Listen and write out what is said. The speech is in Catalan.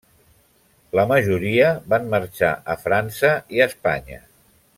La majoria van marxar a França i a Espanya.